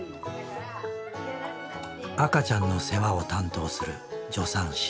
赤ちゃんの世話を担当する助産師。